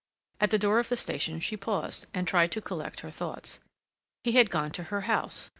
At the door of the station she paused, and tried to collect her thoughts. He had gone to her house.